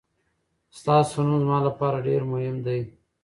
ستاسو نوم زما لپاره ډېر مهم دی.